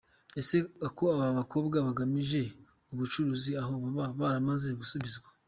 Ese ko aba bakobwa bari bagamije ubucuruzi aho baba baramaze gusubizwa?.